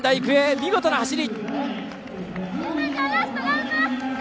見事な走り。